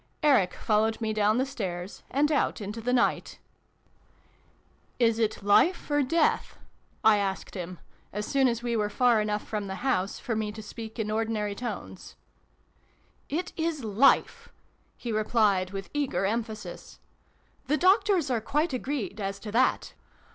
Eric followed me down the stairs, and out into the night. 406 SYLVIE AND BRUNO CONCLUDED. " Is it Life or Death ?" I asked him, as soon as we were far enough from the house for me to speak in ordinary tones. " It is Life !" he replied with eager emphasis. " The doctors are quite agreed as to that.